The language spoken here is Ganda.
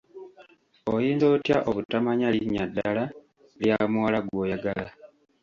Oyinza otya obutamanya linnya ddala lya muwala gw'oyagala.